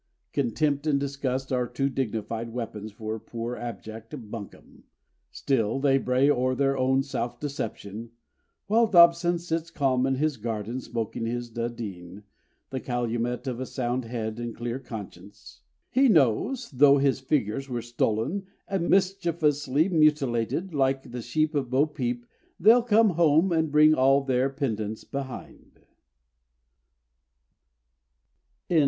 Contempt and disgust are too dignified weapons for poor abject Bunkum, Still they bray o'er their own self deception while Dobson sits calm in his garden Smoking his dudeen, the calumet of a sound head and clear conscience, He knows, though his figures were stolen and mischievously mutilated, Like the sheep of Bo peep they'll come home and bring all their pendants behind.